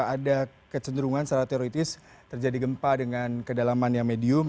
ada kecenderungan secara teoritis terjadi gempa dengan kedalaman yang medium